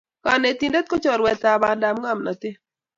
kanetindet ko chorwetap pandap ngomnotet